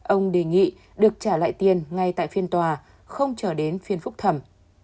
ông đề nghị được trả lại tiền ngay tại phiên tòa không trở đến phiên phúc thẩm